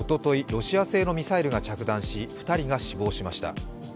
ロシア製のミサイルが着弾し２人が死亡しました。